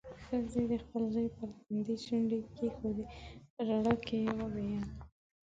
ښځې د خپل زوی پر تندي شونډې کېښودې. په ژړا کې يې وويل: